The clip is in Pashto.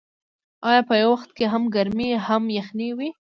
آیا په یو وخت کې هم ګرمي او هم یخني نه وي؟